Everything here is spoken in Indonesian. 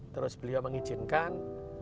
terus beliau mengizinkan